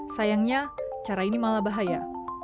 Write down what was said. sayangnya cara ini malah bahaya